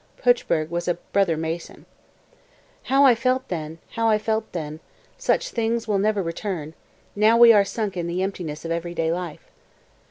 Puchberg was a brother Mason.) 225. "How I felt then! How I felt then! Such things will never return. Now we are sunk in the emptiness of everyday life."